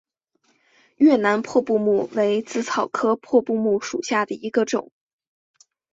越南破布木为紫草科破布木属下的一个种。